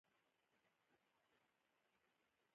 د موګابي رژیم فاسد او ځپونکی و.